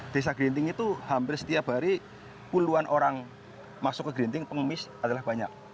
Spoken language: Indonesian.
desa gerinting itu hampir setiap hari puluhan orang masuk ke gerinting pengemis adalah banyak